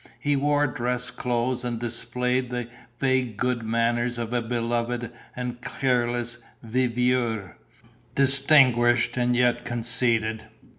He wore dress clothes and displayed the vague good manners of a beloved and careless viveur, distinguished and yet conceited.